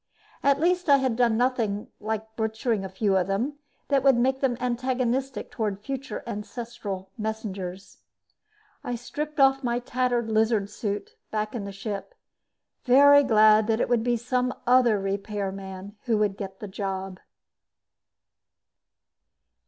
At least I had done nothing, like butchering a few of them, that would make them antagonistic toward future ancestral messengers. I stripped off my tattered lizard suit back in the ship, very glad that it would be some other repairman who'd get the job.